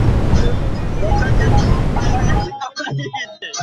বাছাইপর্বের নির্বাচনে তিনি আরেক প্রার্থী ডোনাল্ড ট্রাম্পের চেয়ে পেছনে পড়ে আছেন।